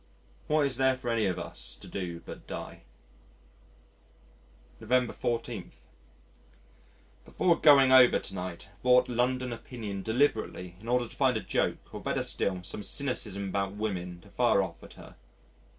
What is there for any of us to do but die? November 14. Before going over to night bought London Opinion deliberately in order to find a joke or better still some cynicism about women to fire off at her.